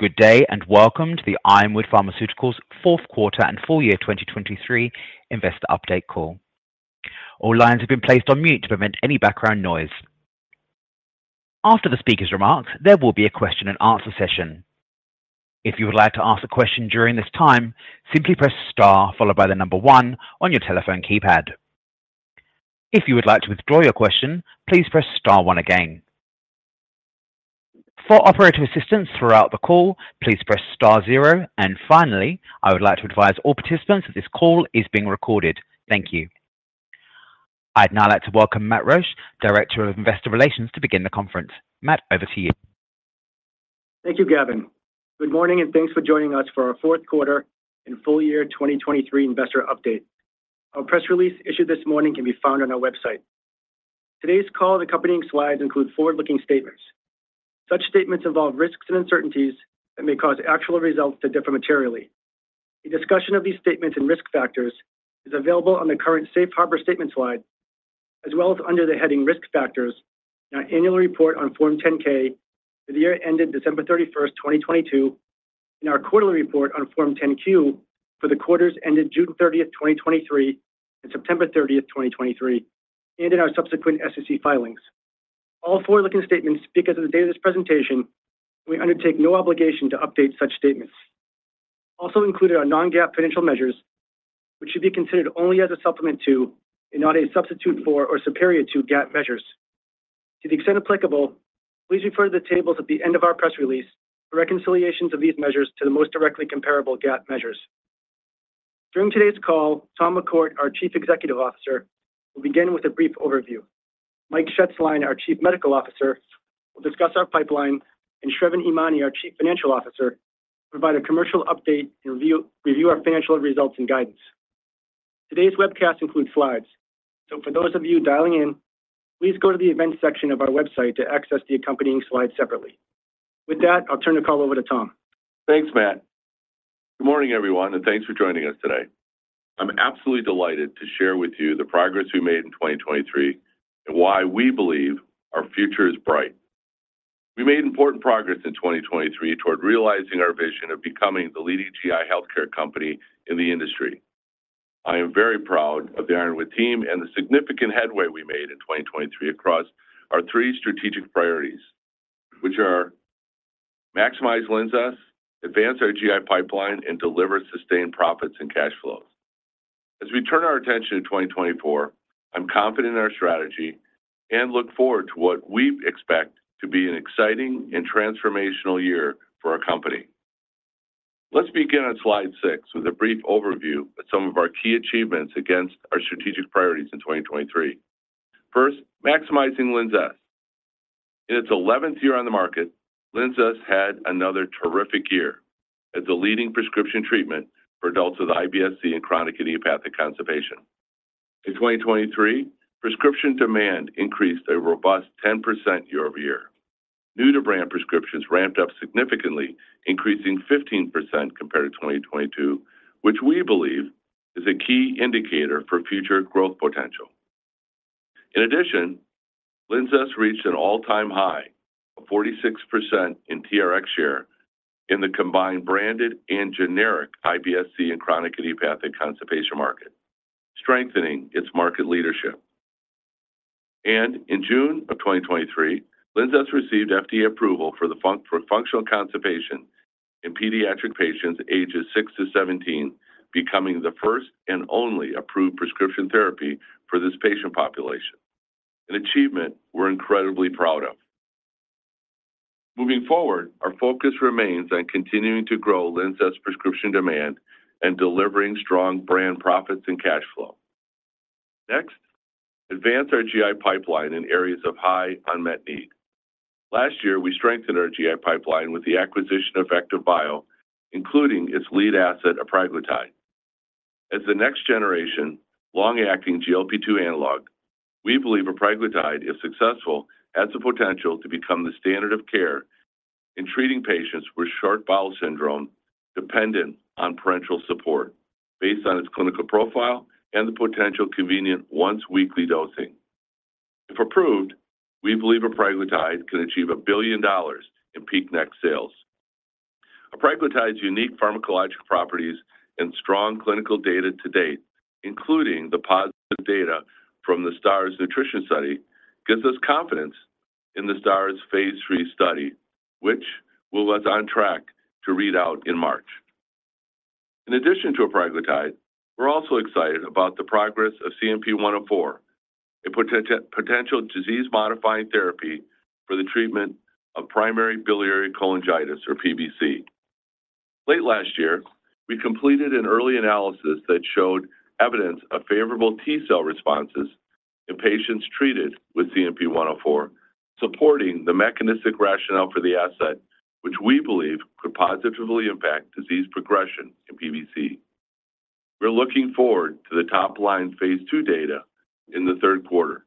Good day and welcome to the Ironwood Pharmaceuticals Q4 and full year 2023 investor update call. All lines have been placed on mute to prevent any background noise. After the speaker's remarks, there will be a question and answer session. If you would like to ask a question during this time, simply press star followed by the number one on your telephone keypad. If you would like to withdraw your question, please press star one again. For operator assistance throughout the call, please press star zero. Finally, I would like to advise all participants that this call is being recorded. Thank you. I'd now like to welcome Matt Roache, Director of Investor Relations, to begin the conference. Matt, over to you. Thank you, Gavin. Good morning and thanks for joining us for our Q4 and full year 2023 investor update. Our press release issued this morning can be found on our website. Today's call and accompanying slides include forward-looking statements. Such statements involve risks and uncertainties that may cause actual results to differ materially. A discussion of these statements and risk factors is available on the current Safe Harbor Statement slide, as well as under the heading Risk Factors, in our annual report on Form 10-K for the year ended December 31st, 2022, in our quarterly report on Form 10-Q for the quarters ended June 30th, 2023, and September 30th, 2023, and in our subsequent SEC filings. All forward-looking statements speak as of the date of this presentation, and we undertake no obligation to update such statements. Also included are non-GAAP financial measures, which should be considered only as a supplement to and not a substitute for or superior to GAAP measures. To the extent applicable, please refer to the tables at the end of our press release for reconciliations of these measures to the most directly comparable GAAP measures. During today's call, Tom McCourt, our Chief Executive Officer, will begin with a brief overview. Mike Shetzline, our Chief Medical Officer, will discuss our pipeline, and Sravan Emany, our Chief Financial Officer, will provide a commercial update and review our financial results and guidance. Today's webcast includes slides, so for those of you dialing in, please go to the events section of our website to access the accompanying slides separately. With that, I'll turn the call over to Tom. Thanks, Matt. Good morning, everyone, and thanks for joining us today. I'm absolutely delighted to share with you the progress we made in 2023 and why we believe our future is bright. We made important progress in 2023 toward realizing our vision of becoming the leading GI healthcare company in the industry. I am very proud of the Ironwood team and the significant headway we made in 2023 across our three strategic priorities, which are maximize LINZESS, advance our GI pipeline, and deliver sustained profits and cash flows. As we turn our attention to 2024, I'm confident in our strategy and look forward to what we expect to be an exciting and transformational year for our company. Let's begin on slide six with a brief overview of some of our key achievements against our strategic priorities in 2023. First, maximizing LINZESS. In its 11th year on the market, LINZESS had another terrific year as the leading prescription treatment for adults with IBS-C and chronic idiopathic constipation. In 2023, prescription demand increased a robust 10% year over year. New-to-brand prescriptions ramped up significantly, increasing 15% compared to 2022, which we believe is a key indicator for future growth potential. In addition, LINZESS reached an all-time high of 46% in TRx share in the combined branded and generic IBS-C and chronic idiopathic constipation market, strengthening its market leadership. In June of 2023, LINZESS received FDA approval for functional constipation in pediatric patients ages six to 17, becoming the first and only approved prescription therapy for this patient population, an achievement we're incredibly proud of. Moving forward, our focus remains on continuing to grow LINZESS prescription demand and delivering strong brand profits and cash flow. Next, advance our GI pipeline in areas of high unmet need. Last year, we strengthened our GI pipeline with the acquisition of VectivBio, including its lead asset, apraglutide. As the next generation long-acting GLP-2 analog, we believe apraglutide, if successful, has the potential to become the standard of care in treating patients with short bowel syndrome dependent on parenteral support based on its clinical profile and the potential convenient once-weekly dosing. If approved, we believe apraglutide can achieve $1 billion in peak net sales. Apraglutide's unique pharmacologic properties and strong clinical data to date, including the positive data from the STARS Nutrition study, give us confidence in the STARS phase III study, which puts us on track to read out in March. In addition to apraglutide, we're also excited about the progress of CNP-104, a potential disease-modifying therapy for the treatment of primary biliary cholangitis, or PBC. Late last year, we completed an early analysis that showed evidence of favorable T-cell responses in patients treated with CNP-104, supporting the mechanistic rationale for the asset, which we believe could positively impact disease progression in PBC. We're looking forward to the top-line phase II data in the Q3.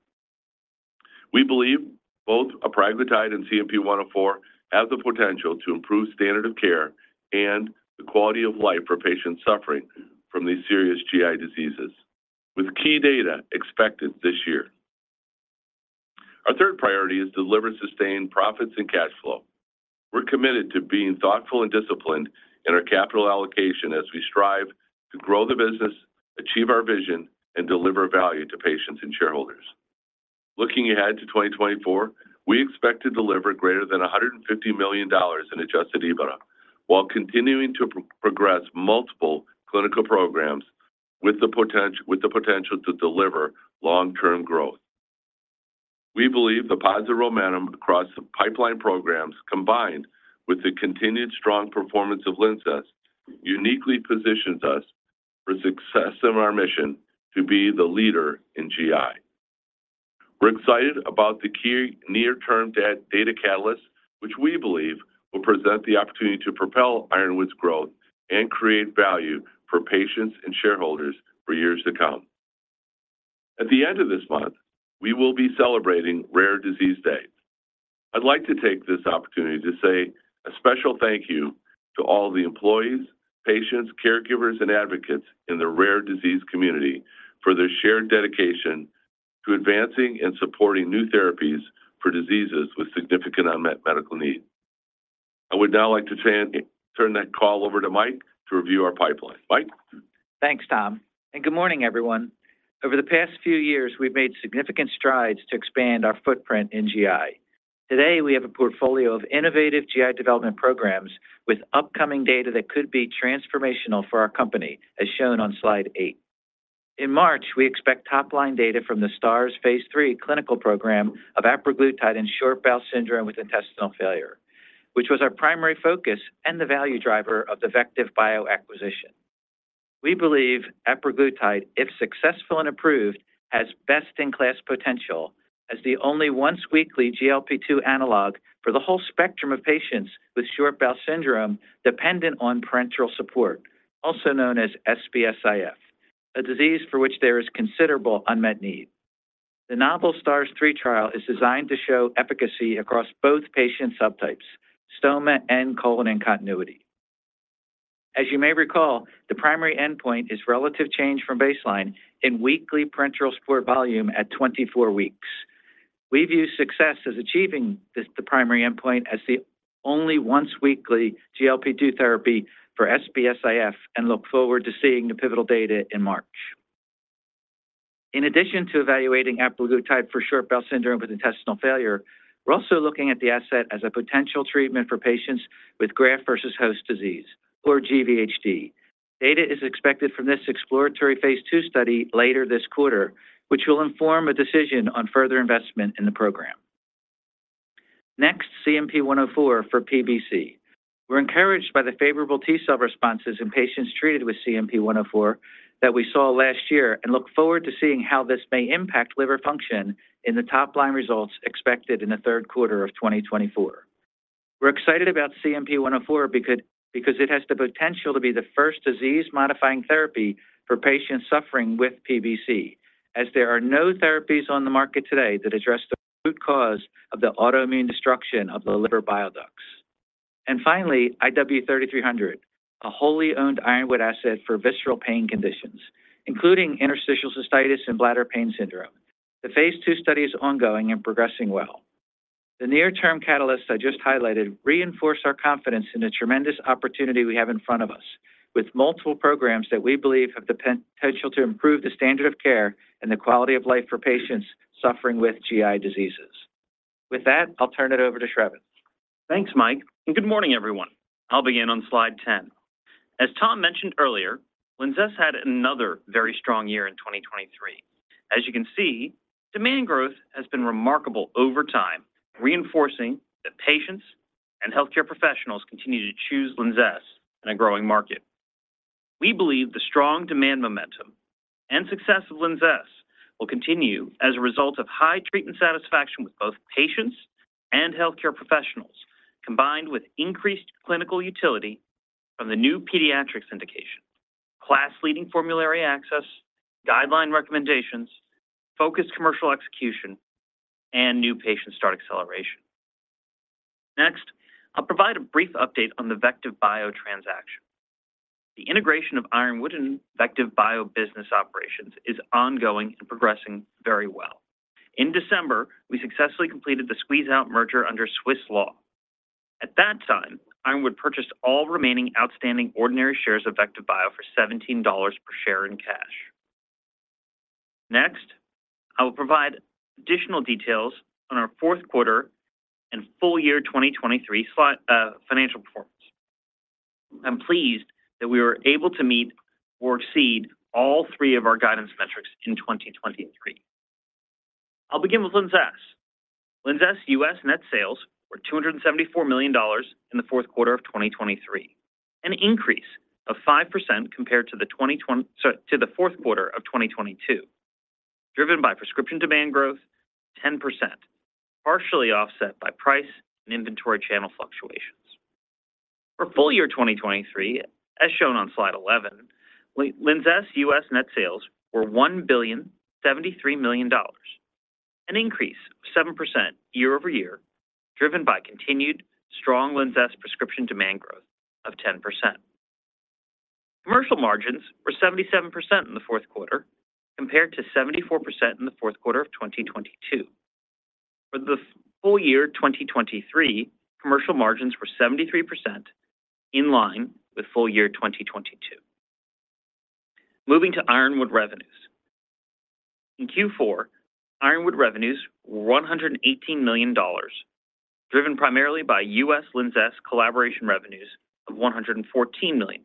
We believe both apraglutide and CNP-104 have the potential to improve standard of care and the quality of life for patients suffering from these serious GI diseases, with key data expected this year. Our third priority is to deliver sustained profits and cash flow. We're committed to being thoughtful and disciplined in our capital allocation as we strive to grow the business, achieve our vision, and deliver value to patients and shareholders. Looking ahead to 2024, we expect to deliver greater than $150 million in adjusted EBITDA while continuing to progress multiple clinical programs with the potential to deliver long-term growth. We believe the positive momentum across the pipeline programs, combined with the continued strong performance of LINZESS, uniquely positions us for success in our mission to be the leader in GI. We're excited about the key near-term data catalysts, which we believe will present the opportunity to propel Ironwood's growth and create value for patients and shareholders for years to come. At the end of this month, we will be celebrating Rare Disease Day. I'd like to take this opportunity to say a special thank you to all the employees, patients, caregivers, and advocates in the rare disease community for their shared dedication to advancing and supporting new therapies for diseases with significant unmet medical need. I would now like to turn that call over to Mike to review our pipeline. Mike? Thanks, Tom. Good morning, everyone. Over the past few years, we've made significant strides to expand our footprint in GI. Today, we have a portfolio of innovative GI development programs with upcoming data that could be transformational for our company, as shown on slide eight. In March, we expect top-line data from the STARS phase III clinical program of apraglutide in short bowel syndrome with intestinal failure, which was our primary focus and the value driver of the VectivBio acquisition. We believe apraglutide, if successful and approved, has best-in-class potential as the only once-weekly GLP-2 analog for the whole spectrum of patients with short bowel syndrome dependent on parenteral support, also known as SBS-IF, a disease for which there is considerable unmet need. The novel STARS 3 trial is designed to show efficacy across both patient subtypes, stoma and colon-in-continuity. As you may recall, the primary endpoint is relative change from baseline in weekly parenteral support volume at 24 weeks. We view success as achieving the primary endpoint as the only once-weekly GLP-2 therapy for SBS-IF and look forward to seeing the pivotal data in March. In addition to evaluating apraglutide for short bowel syndrome with intestinal failure, we're also looking at the asset as a potential treatment for patients with graft-versus-host disease, or GVHD. Data is expected from this exploratory phase II study later this quarter, which will inform a decision on further investment in the program. Next, CNP-104 for PBC. We're encouraged by the favorable T-cell responses in patients treated with CNP-104 that we saw last year and look forward to seeing how this may impact liver function in the top-line results expected in the Q3 of 2024. We're excited about CNP-104 because it has the potential to be the first disease-modifying therapy for patients suffering with PBC, as there are no therapies on the market today that address the root cause of the autoimmune destruction of the liver bile ducts. Finally, IW-3300, a wholly owned Ironwood asset for visceral pain conditions, including interstitial cystitis/bladder pain syndrome. The phase II study is ongoing and progressing well. The near-term catalysts I just highlighted reinforce our confidence in the tremendous opportunity we have in front of us with multiple programs that we believe have the potential to improve the standard of care and the quality of life for patients suffering with GI diseases. With that, I'll turn it over to Sravan. Thanks, Mike, and good morning, everyone. I'll begin on slide 10. As Tom mentioned earlier, LINZESS had another very strong year in 2023. As you can see, demand growth has been remarkable over time, reinforcing that patients and healthcare professionals continue to choose LINZESS in a growing market. We believe the strong demand momentum and success of LINZESS will continue as a result of high treatment satisfaction with both patients and healthcare professionals, combined with increased clinical utility from the new pediatrics indication, class-leading formulary access, guideline recommendations, focused commercial execution, and new patient start acceleration. Next, I'll provide a brief update on the VectivBio transaction. The integration of Ironwood and VectivBio business operations is ongoing and progressing very well. In December, we successfully completed the squeeze-out merger under Swiss law. At that time, Ironwood purchased all remaining outstanding ordinary shares of VectivBio for $17 per share in cash. Next, I will provide additional details on our Q4 and full year 2023 financial performance. I'm pleased that we were able to meet or exceed all three of our guidance metrics in 2023. I'll begin with LINZESS. LINZESS' U.S. net sales were $274 million in the Q4 of 2023, an increase of 5% compared to the Q4 of 2022, driven by prescription demand growth of 10%, partially offset by price and inventory channel fluctuations. For full year 2023, as shown on slide 11, LINZESS' U.S. net sales were $1.073 billion, an increase of 7% year-over-year, driven by continued strong LINZESS prescription demand growth of 10%. Commercial margins were 77% in the Q4 compared to 74% in the Q4 of 2022. For the full year 2023, commercial margins were 73%, in line with full year 2022. Moving to Ironwood revenues. In Q4, Ironwood revenues were $118 million, driven primarily by US LINZESS collaboration revenues of $114 million.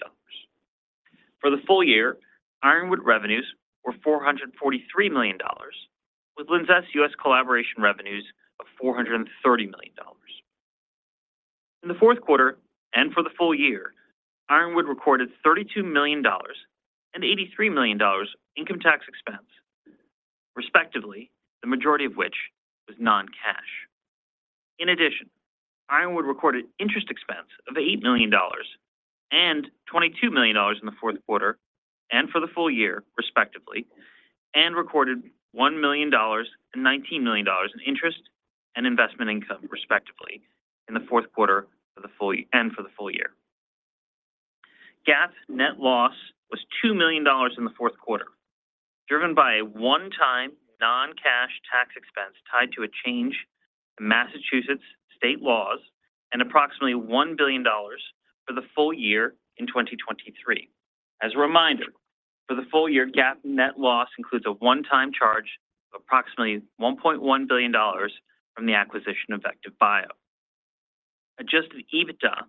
For the full year, Ironwood revenues were $443 million, with LINZESS' US collaboration revenues of $430 million. In the Q4 and for the full year, Ironwood recorded $32 million and $83 million in income tax expense, respectively, the majority of which was non-cash. In addition, Ironwood recorded interest expense of $8 million and $22 million in the Q4 and for the full year, respectively, and recorded $1 million and $19 million in interest and investment income, respectively, in the Q4 and for the full year. GAAP's net loss was $2 million in the Q4, driven by a one-time non-cash tax expense tied to a change in Massachusetts state laws and approximately $1 billion for the full year in 2023. As a reminder, for the full year, GAAP net loss includes a one-time charge of approximately $1.1 billion from the acquisition of VectivBio. Adjusted EBITDA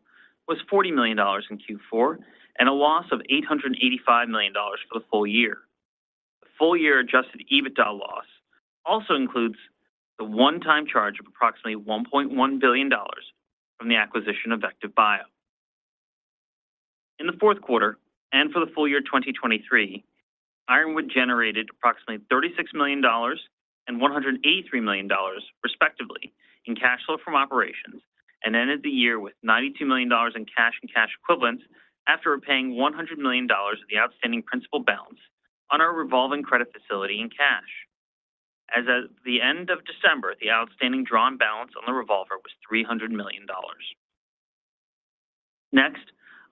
was $40 million in Q4 and a loss of $885 million for the full year. The full year adjusted EBITDA loss also includes the one-time charge of approximately $1.1 billion from the acquisition of VectivBio. In the Q4 and for the full year 2023, Ironwood generated approximately $36 million and $183 million, respectively, in cash flow from operations and ended the year with $92 million in cash and cash equivalents after repaying $100 million of the outstanding principal balance on our revolving credit facility in cash. As of the end of December, the outstanding drawn balance on the revolver was $300 million. Next,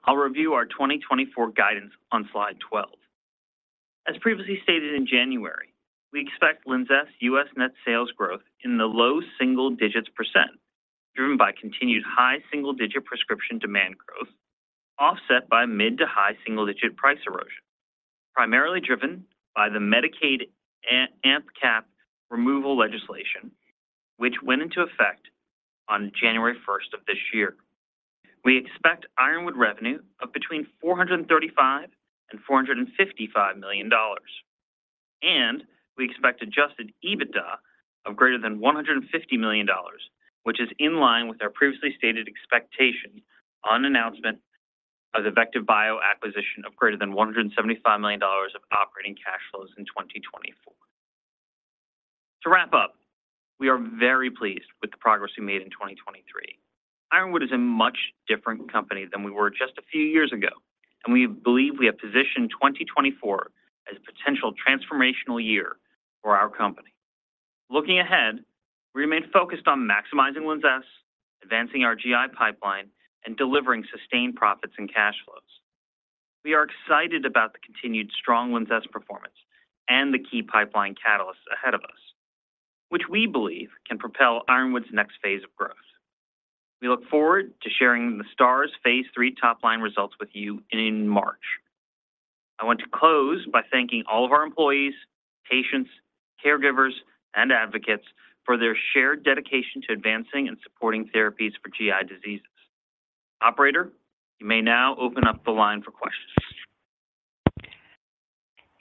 I'll review our 2024 guidance on slide 12. As previously stated in January, we expect LINZESS's U.S. net sales growth in the low single-digit %, driven by continued high single-digit prescription demand growth, offset by mid- to high single-digit price erosion, primarily driven by the Medicaid AMP Cap removal legislation, which went into effect on January 1st of this year. We expect Ironwood revenue of between $435-$455 million, and we expect adjusted EBITDA of greater than $150 million, which is in line with our previously stated expectation on announcement of the VectivBio acquisition of greater than $175 million of operating cash flows in 2024. To wrap up, we are very pleased with the progress we made in 2023. Ironwood is a much different company than we were just a few years ago, and we believe we have positioned 2024 as a potential transformational year for our company. Looking ahead, we remain focused on maximizing LINZESS, advancing our GI pipeline, and delivering sustained profits and cash flows. We are excited about the continued strong LINZESS performance and the key pipeline catalysts ahead of us, which we believe can propel Ironwood's next phase of growth. We look forward to sharing the STARS phase III top-line results with you in March. I want to close by thanking all of our employees, patients, caregivers, and advocates for their shared dedication to advancing and supporting therapies for GI diseases. Operator, you may now open up the line for questions.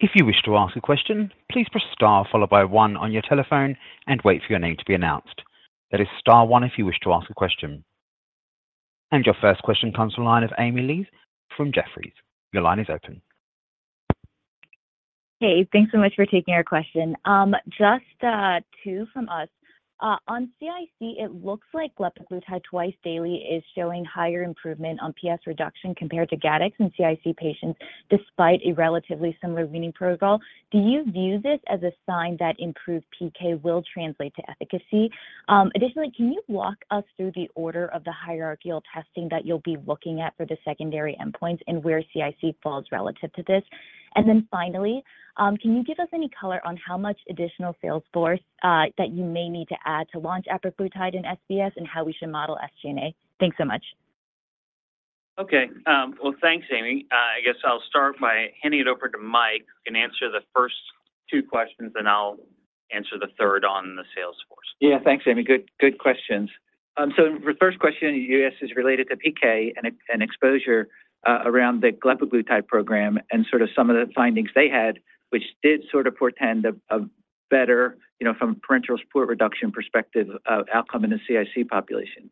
If you wish to ask a question, please press star followed by one on your telephone and wait for your name to be announced. That is star one if you wish to ask a question. Your first question comes online of Amy Li from Jefferies. Your line is open. Hey, thanks so much for taking our question. Just two from us. On CIC, it looks like glepaglutide twice daily is showing higher improvement on PS reduction compared to Gattex in CIC patients despite a relatively similar weaning protocol. Do you view this as a sign that improved PK will translate to efficacy? Additionally, can you walk us through the order of the hierarchical testing that you'll be looking at for the secondary endpoints and where CIC falls relative to this? And then finally, can you give us any color on how much additional sales force that you may need to add to launch apraglutide in SBS and how we should model SGNA? Thanks so much. Okay. Well, thanks, Amy. I guess I'll start by handing it over to Mike. You can answer the first two questions, and I'll answer the third on the sales force. Yeah, thanks, Amy. Good questions. So the first question, you asked, is related to PK and exposure around the glepaglutide program and sort of some of the findings they had, which did sort of portend a better, from a parenteral support reduction perspective, outcome in the CIC population.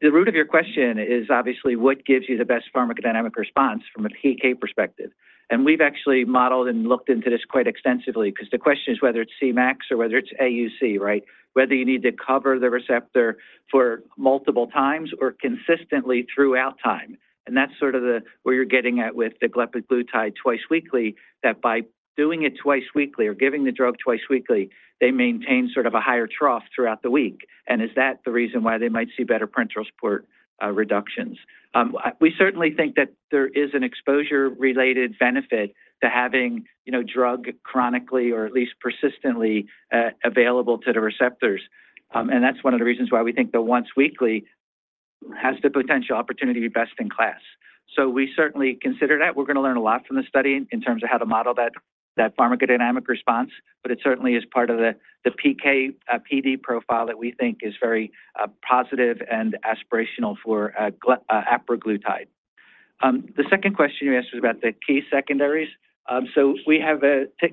The root of your question is obviously what gives you the best pharmacodynamic response from a PK perspective. And we've actually modeled and looked into this quite extensively because the question is whether it's CMAX or whether it's AUC, right, whether you need to cover the receptor for multiple times or consistently throughout time. And that's sort of where you're getting at with the glepaglutide twice weekly, that by doing it twice weekly or giving the drug twice weekly, they maintain sort of a higher trough throughout the week. And is that the reason why they might see better parenteral support reductions? We certainly think that there is an exposure-related benefit to having drug chronically or at least persistently available to the receptors. And that's one of the reasons why we think the once weekly has the potential opportunity to be best in class. So we certainly consider that. We're going to learn a lot from the study in terms of how to model that pharmacodynamic response, but it certainly is part of the PK/PD profile that we think is very positive and aspirational for apraglutide. The second question you asked was about the key secondaries. So we have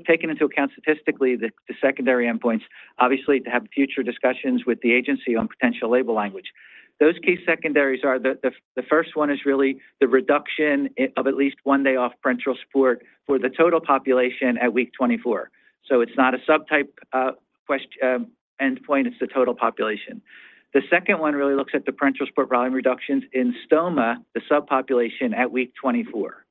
taken into account statistically the secondary endpoints, obviously, to have future discussions with the agency on potential label language. Those key secondaries are the first one is really the reduction of at least one day off parenteral support for the total population at week 24. So it's not a subtype endpoint, it's the total population. The second one really looks at the parenteral support volume reductions in stoma, the subpopulation, at week 24.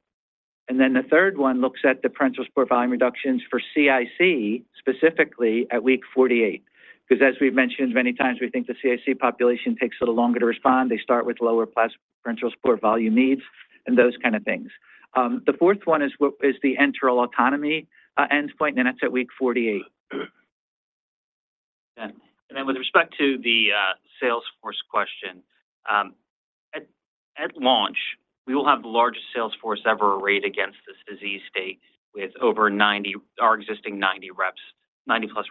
And then the third one looks at the parenteral support volume reductions for CIC, specifically at week 48, because as we've mentioned many times, we think the CIC population takes a little longer to respond. They start with lower parenteral support volume needs and those kind of things. The fourth one is the enteral autonomy endpoint, and that's at week 48. Then with respect to the sales force question, at launch, we will have the largest sales force ever arrayed against this disease state with our existing 90+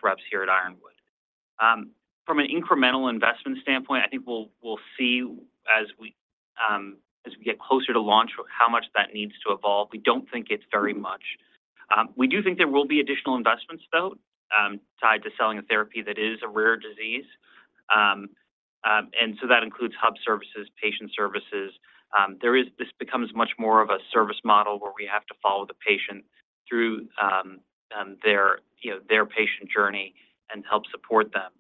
reps here at Ironwood. From an incremental investment standpoint, I think we'll see as we get closer to launch how much that needs to evolve. We don't think it's very much. We do think there will be additional investments, though, tied to selling a therapy that is a rare disease. That includes hub services, patient services. This becomes much more of a service model where we have to follow the patient through their patient journey and help support them.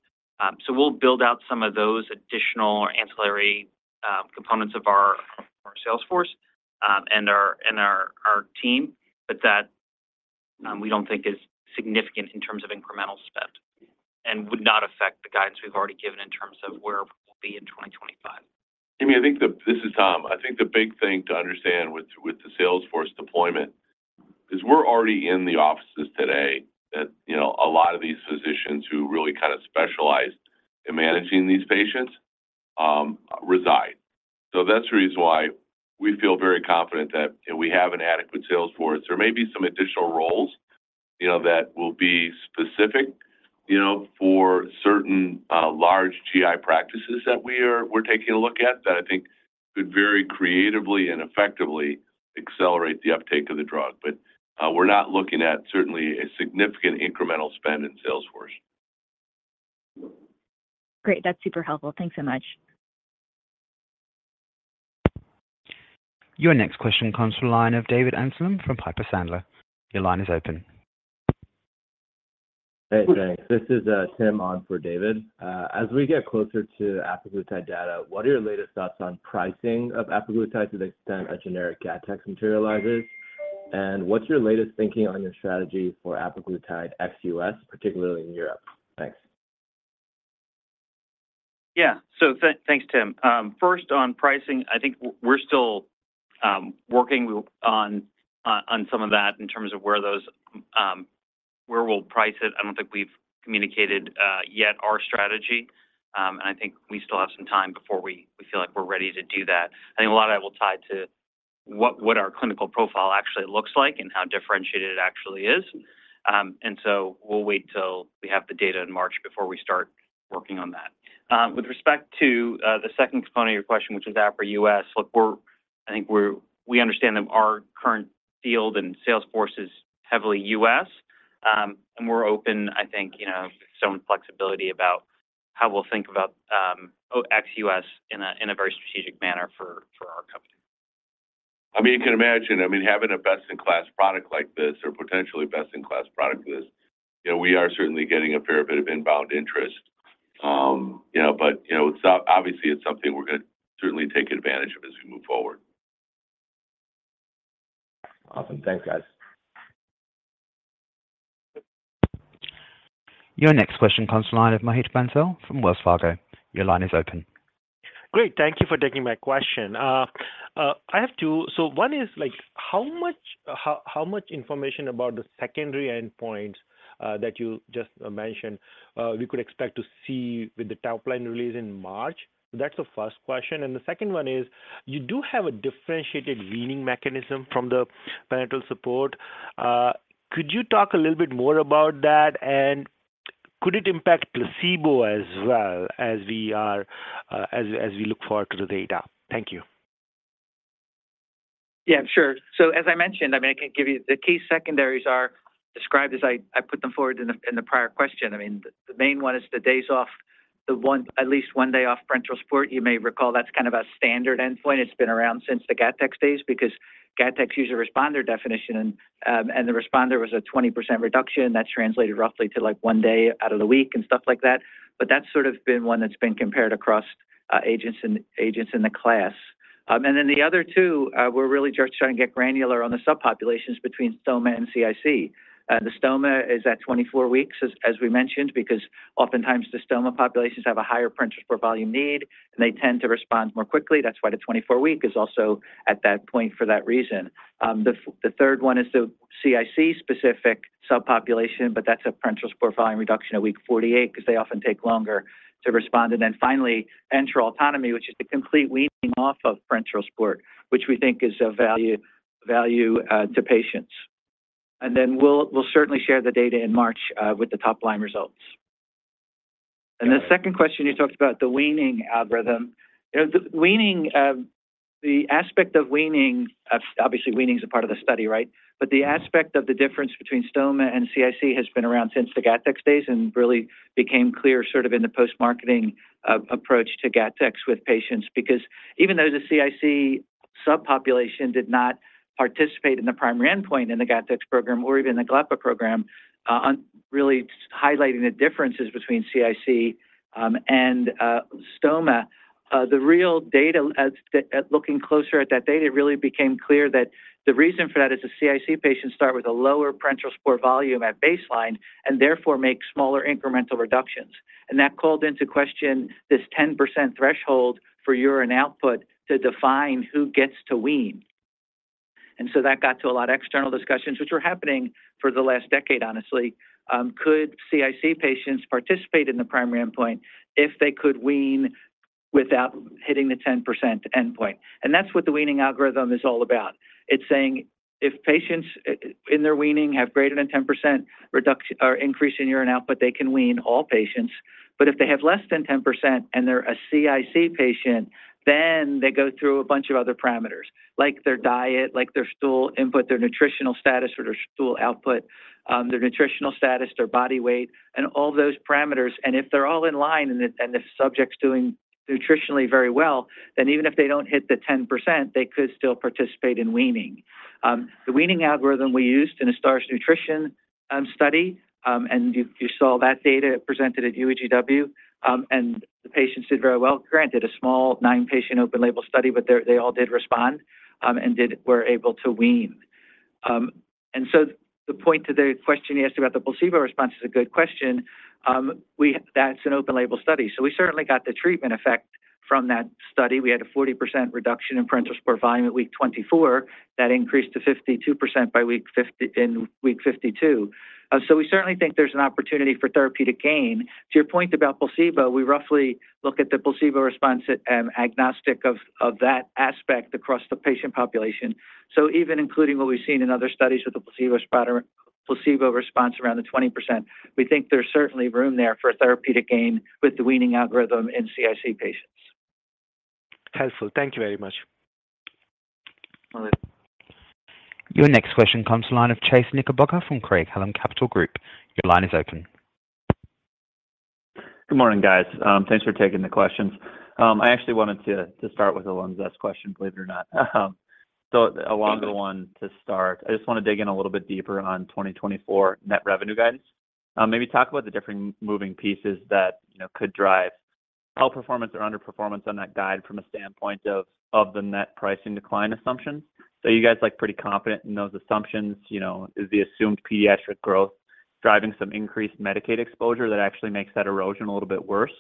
We'll build out some of those additional ancillary components of our sales force and our team, but that we don't think is significant in terms of incremental spend and would not affect the guidance we've already given in terms of where we'll be in 2025. Amy, I think this is Tom. I think the big thing to understand with the sales force deployment is we're already in the offices today that a lot of these physicians who really kind of specialize in managing these patients reside. So that's the reason why we feel very confident that we have an adequate sales force. There may be some additional roles that will be specific for certain large GI practices that we're taking a look at that I think could very creatively and effectively accelerate the uptake of the drug. But we're not looking at certainly a significant incremental spend in sales force. Great. That's super helpful. Thanks so much. Your next question comes online of David Amsellem from Piper Sandler. Your line is open. Hey, thanks. This is Tim on for David. As we get closer to apraglutide data, what are your latest thoughts on pricing of apraglutide to the extent a generic Gattex materializes? And what's your latest thinking on your strategy for apraglutide XUS, particularly in Europe? Thanks. Yeah. So thanks, Tim. First, on pricing, I think we're still working on some of that in terms of where we'll price it. I don't think we've communicated yet our strategy, and I think we still have some time before we feel like we're ready to do that. I think a lot of that will tie to what our clinical profile actually looks like and how differentiated it actually is. And so we'll wait till we have the data in March before we start working on that. With respect to the second component of your question, which is apraglutide U.S., look, I think we understand that our current field and sales force is heavily U.S., and we're open, I think, with some flexibility about how we'll think about ex-U.S. in a very strategic manner for our company. I mean, you can imagine. I mean, having a best-in-class product like this or potentially best-in-class product like this, we are certainly getting a fair bit of inbound interest. But obviously, it's something we're going to certainly take advantage of as we move forward. Awesome. Thanks, guys. Your next question comes from Mohit Bansal of Wells Fargo. Your line is open. Great. Thank you for taking my question. I have two. So one is how much information about the secondary endpoint that you just mentioned we could expect to see with the top-line release in March? That's the first question. And the second one is you do have a differentiated weaning mechanism from the parenteral support. Could you talk a little bit more about that, and could it impact placebo as well as we look forward to the data? Thank you. Yeah, sure. So as I mentioned, I mean, I can give you the key secondaries as described as I put them forward in the prior question. I mean, the main one is the days off, at least one day off parenteral support. You may recall that's kind of a standard endpoint. It's been around since the Gattex days because Gattex user responder definition and the responder was a 20% reduction. That's translated roughly to one day out of the week and stuff like that. But that's sort of been one that's been compared across agents in the class. And then the other two, we're really just trying to get granular on the subpopulations between stoma and CIC. The STOMA is at 24 weeks, as we mentioned, because oftentimes the stoma populations have a higher parenteral support volume need, and they tend to respond more quickly. That's why the 24-week is also at that point for that reason. The third one is the CIC-specific subpopulation, but that's a parenteral support volume reduction at week 48 because they often take longer to respond. And then finally, enteral autonomy, which is the complete weaning off of parenteral support, which we think is of value to patients. And then we'll certainly share the data in March with the top-line results. And the second question, you talked about the weaning algorithm. The aspect of weaning obviously, weaning is a part of the study, right? The aspect of the difference between stoma and CIC has been around since the Gattex days and really became clear sort of in the post-marketing approach to Gattex with patients because even though the CIC subpopulation did not participate in the primary endpoint in the Gattex program or even the glepaglutide program, really highlighting the differences between CIC and stoma, the real data looking closer at that data, it really became clear that the reason for that is the CIC patients start with a lower parenteral support volume at baseline and therefore make smaller incremental reductions. And that called into question this 10% threshold for urine output to define who gets to wean. And so that got to a lot of external discussions, which were happening for the last decade, honestly. Could CIC patients participate in the primary endpoint if they could wean without hitting the 10% endpoint? That's what the weaning algorithm is all about. It's saying if patients in their weaning have greater than 10% increase in urine output, they can wean all patients. But if they have less than 10% and they're a CIC patient, then they go through a bunch of other parameters, like their diet, like their stool input, their nutritional status for their stool output, their nutritional status, their body weight, and all those parameters. And if they're all in line and the subject's doing nutritionally very well, then even if they don't hit the 10%, they could still participate in weaning. The weaning algorithm we used in a STARS nutrition study, and you saw that data presented at UEGW, and the patients did very well. Granted, a small 9-patient open-label study, but they all did respond and were able to wean. The point to the question you asked about the placebo response is a good question. That's an open-label study. We certainly got the treatment effect from that study. We had a 40% reduction in parenteral support volume at week 24 that increased to 52% by week 52. We certainly think there's an opportunity for therapeutic gain. To your point about placebo, we roughly look at the placebo response agnostic of that aspect across the patient population. Even including what we've seen in other studies with the placebo response around the 20%, we think there's certainly room there for therapeutic gain with the weaning algorithm in CIC patients. Helpful. Thank you very much. Your next question comes online of Chase Knickerbocker from Craig-Hallum Capital Group. Your line is open. Good morning, guys. Thanks for taking the questions. I actually wanted to start with the LINZESS question, believe it or not. So a longer one to start. I just want to dig in a little bit deeper on 2024 net revenue guidance. Maybe talk about the different moving pieces that could drive outperformance or underperformance on that guide from a standpoint of the net pricing decline assumptions. So you guys are pretty confident in those assumptions. Is the assumed pediatric growth driving some increased Medicaid exposure that actually makes that erosion a little bit worse?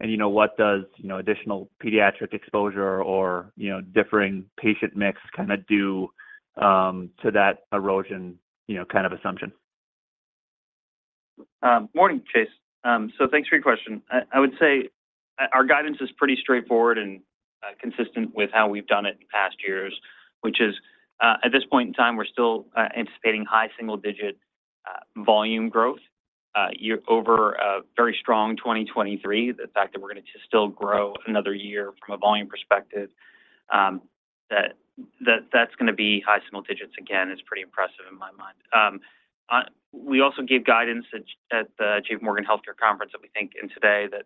And what does additional pediatric exposure or differing patient mix kind of do to that erosion kind of assumption? Morning, Chase. So thanks for your question. I would say our guidance is pretty straightforward and consistent with how we've done it in past years, which is at this point in time, we're still anticipating high single-digit volume growth over a very strong 2023. The fact that we're going to still grow another year from a volume perspective, that's going to be high single digits again is pretty impressive in my mind. We also gave guidance at the JPMorgan Healthcare Conference that we think in today that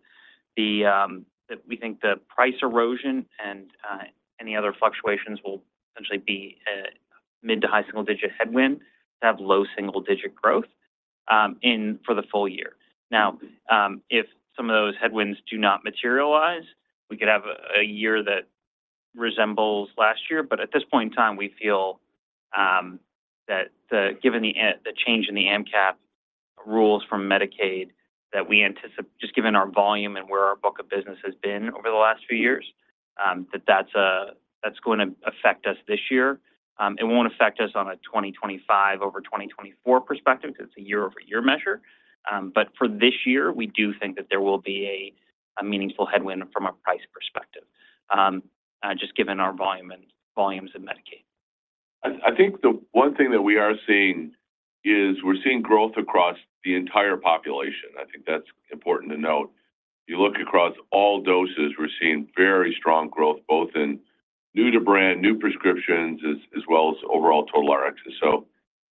we think the price erosion and any other fluctuations will essentially be a mid to high single-digit headwind to have low single-digit growth for the full year. Now, if some of those headwinds do not materialize, we could have a year that resembles last year. But at this point in time, we feel that given the change in the AMPCAP rules from Medicaid that we anticipate, just given our volume and where our book of business has been over the last few years, that that's going to affect us this year. It won't affect us on a 2025 over 2024 perspective because it's a year-over-year measure. But for this year, we do think that there will be a meaningful headwind from a price perspective, just given our volumes of Medicaid. I think the one thing that we are seeing is we're seeing growth across the entire population. I think that's important to note. You look across all doses, we're seeing very strong growth both in new-to-brand, new prescriptions, as well as overall total Rx. So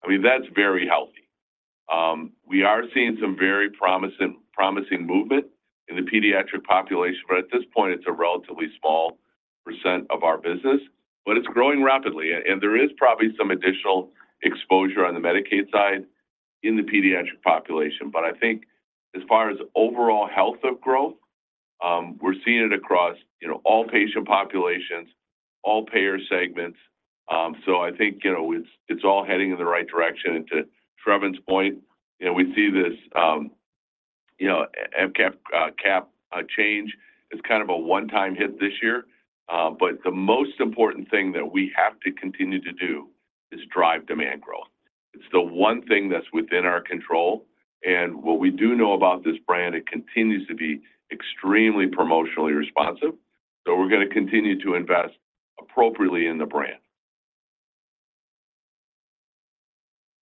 I mean, that's very healthy. We are seeing some very promising movement in the pediatric population, but at this point, it's a relatively small percent of our business. But it's growing rapidly, and there is probably some additional exposure on the Medicaid side in the pediatric population. But I think as far as overall health of growth, we're seeing it across all patient populations, all payer segments. So I think it's all heading in the right direction. To Sravan's point, we see this AMP cap change. It's kind of a one-time hit this year. The most important thing that we have to continue to do is drive demand growth. It's the one thing that's within our control. What we do know about this brand, it continues to be extremely promotionally responsive. We're going to continue to invest appropriately in the brand.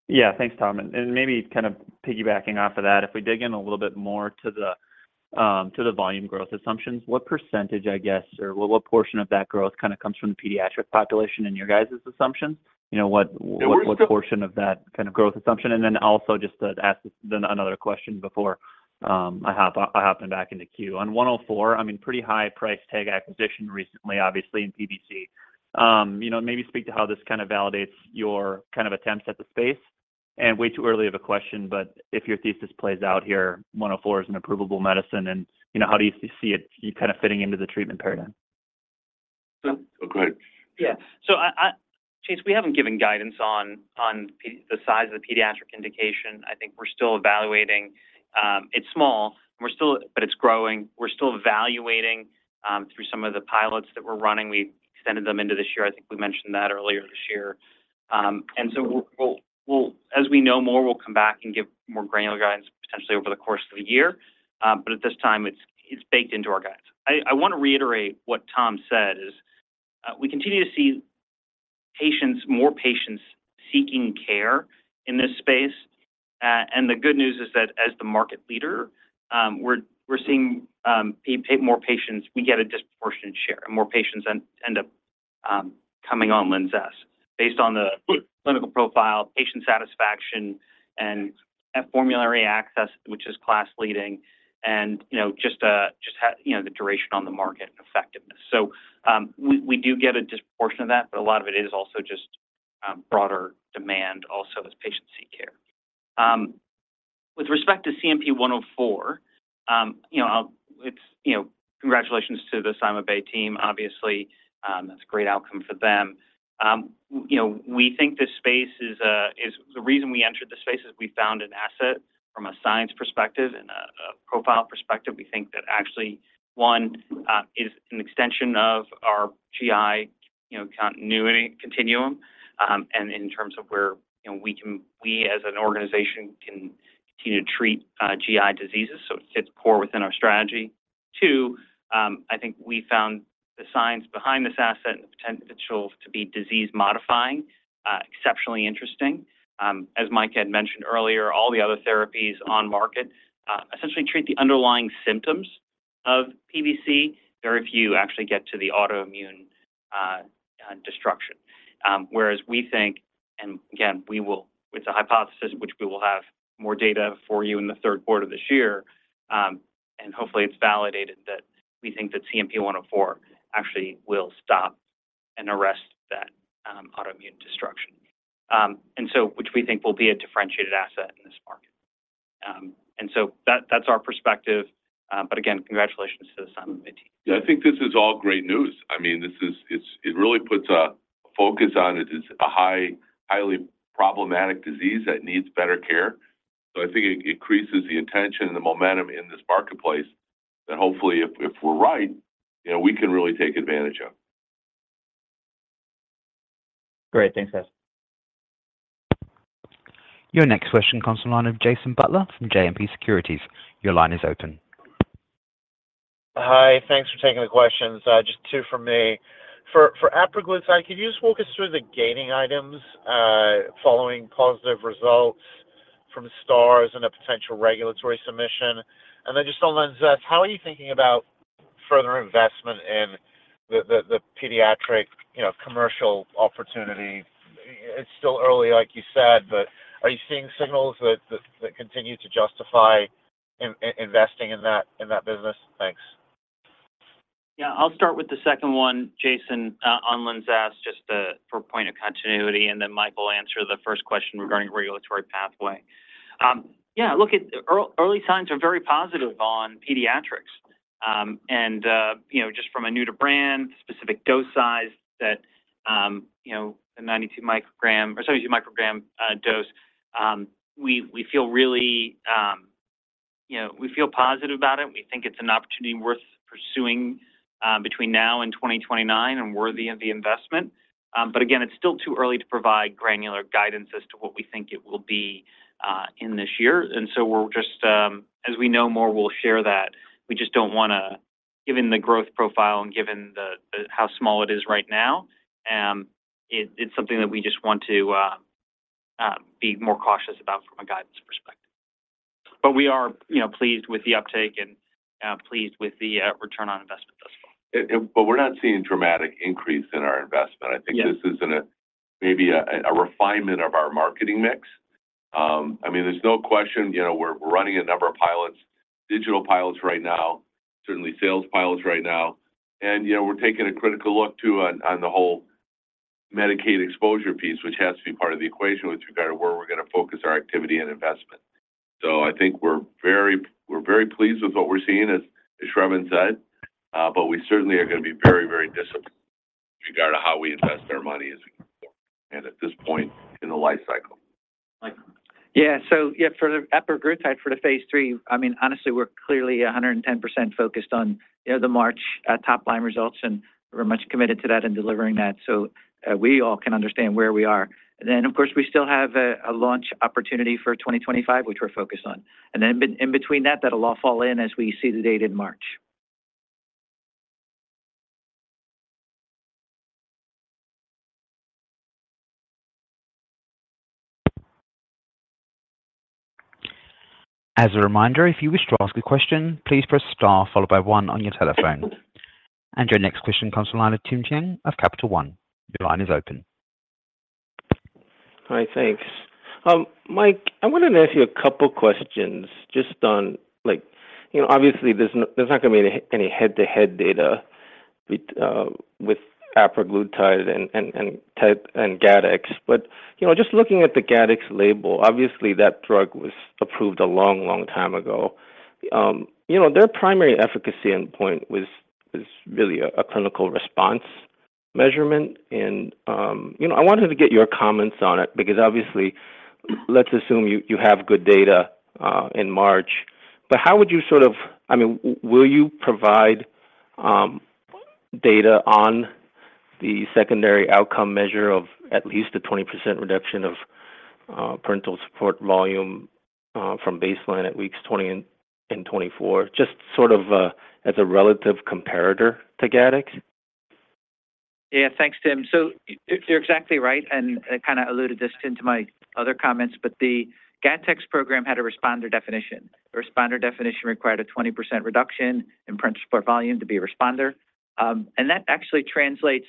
Yeah. Thanks, Tom. And maybe kind of piggybacking off of that, if we dig in a little bit more to the volume growth assumptions, what percentage, I guess, or what portion of that growth kind of comes from the pediatric population in your guys' assumptions? What portion of that kind of growth assumption? And then also just to ask another question before I hop in back into queue. On 104, I mean, pretty high price tag acquisition recently, obviously, in PBC. Maybe speak to how this kind of validates your kind of attempts at the space. And way too early of a question, but if your thesis plays out here, 104 is an approvable medicine, and how do you see it kind of fitting into the treatment paradigm? Oh, go ahead. Yeah. So Chase, we haven't given guidance on the size of the pediatric indication. I think we're still evaluating. It's small, but it's growing. We're still evaluating through some of the pilots that we're running. We extended them into this year. I think we mentioned that earlier this year. And so as we know more, we'll come back and give more granular guidance potentially over the course of the year. But at this time, it's baked into our guidance. I want to reiterate what Tom said is we continue to see more patients seeking care in this space. And the good news is that as the market leader, we're seeing more patients. We get a disproportionate share, and more patients end up coming on LINZESS based on the clinical profile, patient satisfaction, and formulary access, which is class-leading, and just the duration on the market and effectiveness. So we do get a disproportion of that, but a lot of it is also just broader demand also as patients seek care. With respect to CNP-104, congratulations to the COUR team. Obviously, that's a great outcome for them. We think this space is the reason we entered the space is we found an asset from a science perspective and a profile perspective. We think that actually, one, is an extension of our GI continuum and in terms of where we, as an organization, can continue to treat GI diseases. So it fits core within our strategy. Two, I think we found the science behind this asset and the potential to be disease-modifying exceptionally interesting. As Mike had mentioned earlier, all the other therapies on market essentially treat the underlying symptoms of PBC. Very few actually get to the autoimmune destruction. Whereas we think, and again, it's a hypothesis, which we will have more data for you in the Q3 of this year. And hopefully, it's validated that we think that CNP-104 actually will stop and arrest that autoimmune destruction, which we think will be a differentiated asset in this market. And so that's our perspective. But again, congratulations to the CymaBay team. Yeah. I think this is all great news. I mean, it really puts a focus on it. It's a highly problematic disease that needs better care. So I think it increases the intention and the momentum in this marketplace that hopefully, if we're right, we can really take advantage of. Great. Thanks, guys. Your next question comes from Jason Butler from JMP Securities. Your line is open. Hi. Thanks for taking the questions. Just two from me. For apraglutide, could you just walk us through the timing items following positive results from STARS and a potential regulatory submission? And then just on LINZESS, how are you thinking about further investment in the pediatric commercial opportunity? It's still early, like you said, but are you seeing signals that continue to justify investing in that business? Thanks. Yeah. I'll start with the second one, Jason, on LINZESS just for point of continuity, and then Mike will answer the first question regarding regulatory pathway. Yeah. Early signs are very positive on pediatrics. And just from a new-to-brand, specific dose size, the 92 microgram or 72 microgram dose, we feel really we feel positive about it. We think it's an opportunity worth pursuing between now and 2029 and worthy of the investment. But again, it's still too early to provide granular guidance as to what we think it will be in this year. And so as we know more, we'll share that. We just don't want to given the growth profile and given how small it is right now, it's something that we just want to be more cautious about from a guidance perspective. But we are pleased with the uptake and pleased with the return on investment thus far. But we're not seeing dramatic increase in our investment. I think this is maybe a refinement of our marketing mix. I mean, there's no question. We're running a number of digital pilots right now, certainly sales pilots right now. And we're taking a critical look too on the whole Medicaid exposure piece, which has to be part of the equation with regard to where we're going to focus our activity and investment. So I think we're very pleased with what we're seeing, as Trevin said, but we certainly are going to be very, very disciplined with regard to how we invest our money as we go forward and at this point in the life cycle. Yeah. So yeah, for the apraglutide, for the phase III, I mean, honestly, we're clearly 110% focused on the March top-line results, and we're much committed to that and delivering that. So we all can understand where we are. And then, of course, we still have a launch opportunity for 2025, which we're focused on. And then in between that, that'll all fall in as we see the date in March. As a reminder, if you wish to ask a question, please press star followed by one on your telephone. Your next question comes from the line of Tim Chiang of Capital One. Your line is open. Hi. Thanks. Mike, I wanted to ask you a couple of questions just on obviously, there's not going to be any head-to-head data with apraglutide and Gattex. But just looking at the Gattex label, obviously, that drug was approved a long, long time ago. Their primary efficacy endpoint was really a clinical response measurement. And I wanted to get your comments on it because obviously, let's assume you have good data in March. But how would you sort of I mean, will you provide data on the secondary outcome measure of at least a 20% reduction of parenteral support volume from baseline at weeks 20 and 24, just sort of as a relative comparator to Gattex? Yeah. Thanks, Tim. So you're exactly right and kind of alluded this to into my other comments. But the Gattex program had a responder definition. A responder definition required a 20% reduction in parenteral support volume to be a responder. And that actually translates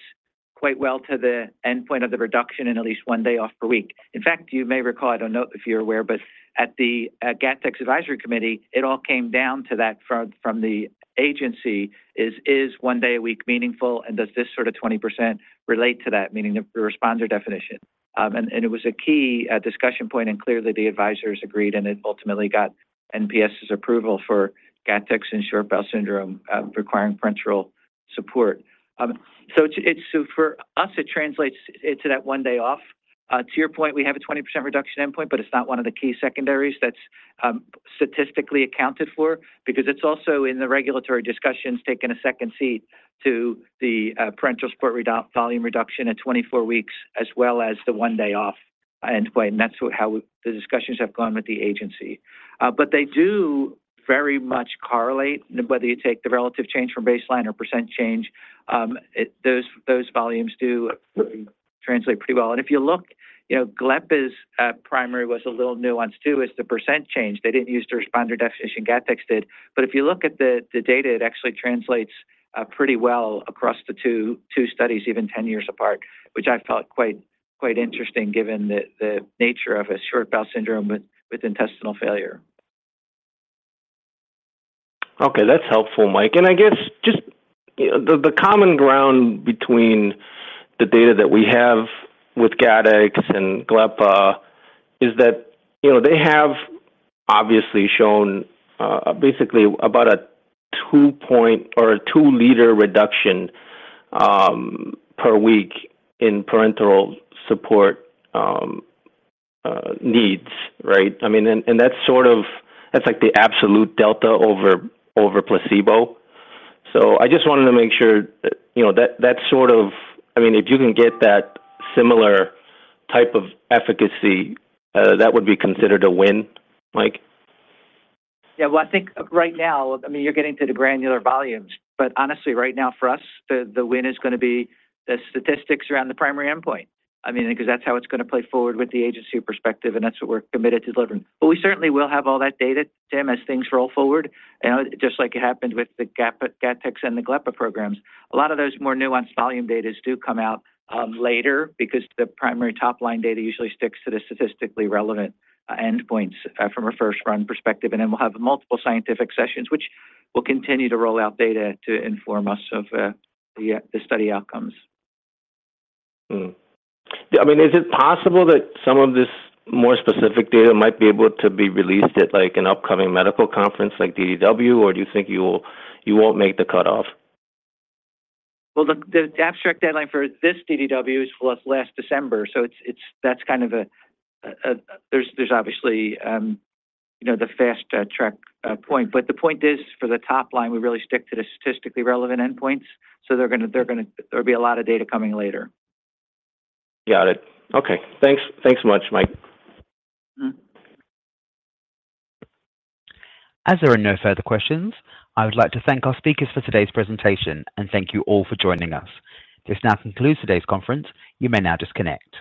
quite well to the endpoint of the reduction in at least one day off per week. In fact, you may recall - I don't know if you're aware - but at the Gattex advisory committee, it all came down to that from the agency, is one day a week meaningful, and does this sort of 20% relate to that, meaning the responder definition? And it was a key discussion point, and clearly, the advisors agreed, and it ultimately got FDA's approval for Gattex and short bowel syndrome requiring parenteral support. So for us, it translates into that one day off. To your point, we have a 20% reduction endpoint, but it's not one of the key secondaries that's statistically accounted for because it's also in the regulatory discussions taken a second seat to the parenteral support volume reduction at 24 weeks as well as the one-day-off endpoint. That's how the discussions have gone with the agency. But they do very much correlate. Whether you take the relative change from baseline or % change, those volumes do translate pretty well. And if you look, GLEP's primary was a little nuanced too as to % change. They didn't use the responder definition Gattex did. But if you look at the data, it actually translates pretty well across the two studies, even 10 years apart, which I felt quite interesting given the nature of a short bowel syndrome with intestinal failure. Okay. That's helpful, Mike. I guess just the common ground between the data that we have with Gattex and glepaglutide is that they have obviously shown basically about a 2-point or a 2-liter reduction per week in parenteral support needs, right? I mean, and that's sort of like the absolute delta over placebo. I just wanted to make sure that sort of I mean, if you can get that similar type of efficacy, that would be considered a win, Mike? Yeah. Well, I think right now, I mean, you're getting to the granular volumes. But honestly, right now for us, the win is going to be the statistics around the primary endpoint because that's how it's going to play forward with the agency perspective, and that's what we're committed to delivering. But we certainly will have all that data, Tim, as things roll forward, just like it happened with the Gattex and the glepaglutide programs. A lot of those more nuanced volume data do come out later because the primary top-line data usually sticks to the statistically relevant endpoints from a first-run perspective. Then we'll have multiple scientific sessions, which will continue to roll out data to inform us of the study outcomes. I mean, is it possible that some of this more specific data might be able to be released at an upcoming medical conference like DDW, or do you think you won't make the cutoff? Well, the abstract deadline for this DDW was last December. So that's kind of, there's obviously the fast-track point. But the point is, for the top line, we really stick to the statistically relevant endpoints. So there'll be a lot of data coming later. Got it. Okay. Thanks much, Mike. As there are no further questions, I would like to thank our speakers for today's presentation and thank you all for joining us. This now concludes today's conference. You may now disconnect.